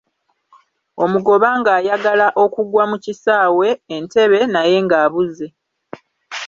Omugoba ng'ayagala okugwa mu kisaawe e Ntebe, naye ng'abuze.